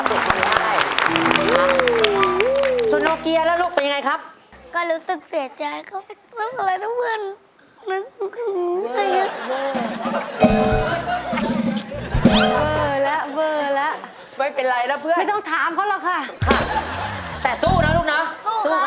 แต่พี่ก็ยังได้ใจหนูเร็วครับ